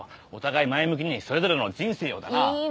お互い前向きにそれぞれの人生をだな。